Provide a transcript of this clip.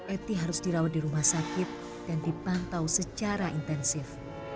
eti harus dirawat di rumah sakit dan dipantau secara intensif